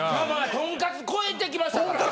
とんかつ超えてきましたから。